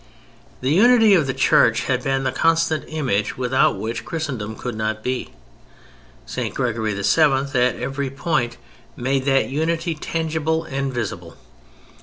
The Unity of the Church had been the constant image without which Christendom could not be; St. Gregory VII. at every point made that unity tangible and visible.